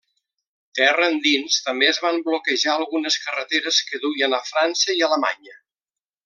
Terra endins, també es van bloquejar algunes carreteres que duien a França i Alemanya.